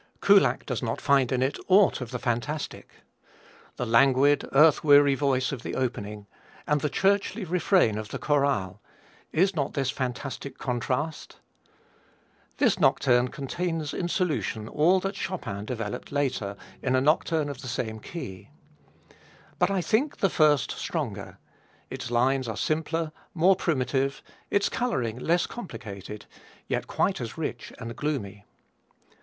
Kullak does not find in it aught of the fantastic. The languid, earth weary voice of the opening and the churchly refrain of the chorale, is not this fantastic contrast! This nocturne contains in solution all that Chopin developed later in a nocturne of the same key. But I think the first stronger its lines are simpler, more primitive, its coloring less complicated, yet quite as rich and gloomy.